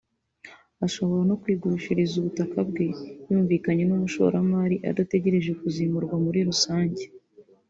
ashobora no kwigurishiriza ubutaka bwe yumvikanye n’umushoramari adategereje kuzimurwa muri rusange